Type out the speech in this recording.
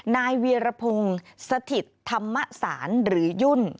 นายเวีรพงศสฐิตธรรมสรรค์หรือยุ่น